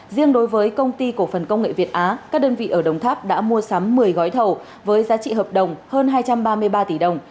riêng đối với công ty cổ phần công nghệ việt á các đơn vị ở đồng tháp đã mua sắm một mươi gói thầu với giá trị hợp đồng hơn hai trăm ba mươi ba tỷ đồng